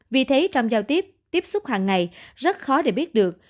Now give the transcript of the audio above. vì thế trong giao tiếp tiếp xúc hàng ngày rất khó để biết được